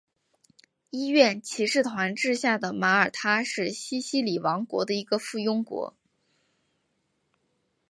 医院骑士团治下的马耳他是西西里王国的一个附庸国。